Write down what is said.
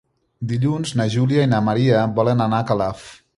Dilluns na Júlia i na Maria volen anar a Calaf.